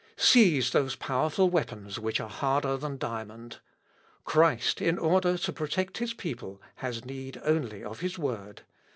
Seize those powerful weapons which are harder than diamond! Christ, in order to protect his people, has need only of his Word.